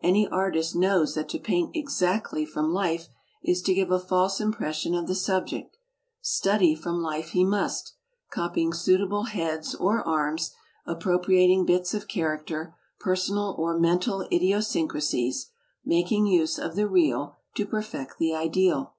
Any artist knows that to paint exactly from life is to give a false impres sion of the subjea. Study from life he must, copying suitable heads or arms, appropriating bits of character, personal or *"' .,..„«Google mental idiosyncracies, '' making use of the real to perf ea the ideal."